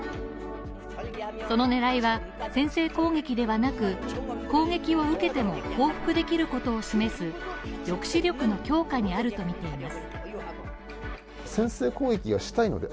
その狙いは、先制攻撃ではなく、攻撃を受けても報復できることを示す抑止力の強化にあるとみています。